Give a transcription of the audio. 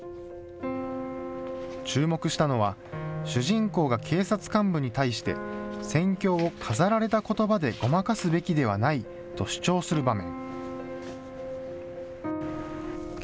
注目したのは、主人公が警察幹部に対して、戦況を飾られた言葉でごまかすべきではないと主張する場面。